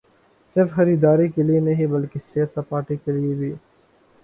صرف خریداری کیلئے نہیں بلکہ سیر سپاٹے کیلئے بھی۔